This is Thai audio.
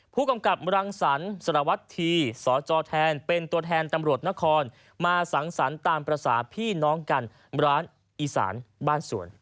ผู้กำกับรังสรรค์สารวัตรทีสจแทนเป็นตัวแทนตำรวจนครมาสังสรรค์ตามภาษาพี่น้องกันร้านอีสานบ้านสวน